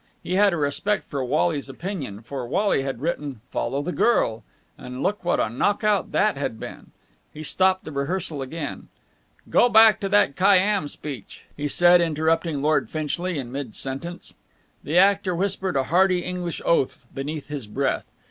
He had a respect for Wally's opinion, for Wally had written "Follow the Girl" and look what a knock out that had been. He stopped the rehearsal again. "Go back to that Khayyám speech!" he said interrupting Lord Finchley in mid sentence. The actor whispered a hearty English oath beneath his breath.